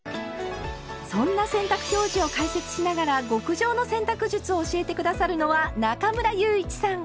そんな洗濯表示を解説しながら極上の洗濯術を教えて下さるのは中村祐一さん。